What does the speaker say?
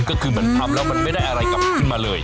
ก็คือเหมือนทำแล้วมันไม่ได้อะไรกลับขึ้นมาเลย